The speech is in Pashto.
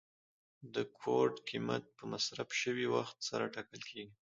د کوټ قیمت په مصرف شوي وخت سره ټاکل کیږي.